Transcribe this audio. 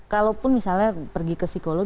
kalaupun misalnya pergi ke psikolog